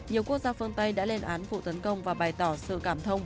nhiều quốc gia phương tây đã lên án vụ tấn công và bày tỏ sự cảm thông